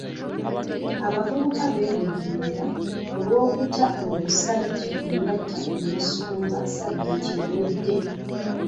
Abavubuka beegugunga olw'okuta omusajja eyatta omusumba ssabbiiti ewedde.